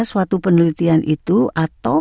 suatu penelitian itu atau